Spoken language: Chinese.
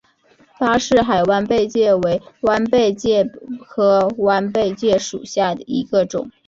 巴士海弯贝介为弯贝介科弯贝介属下的一个种。